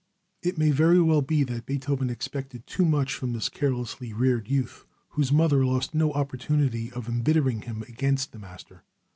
It may very well be that Beethoven expected too much from this carelessly reared youth, whose mother lost no opportunity of embittering him against the master.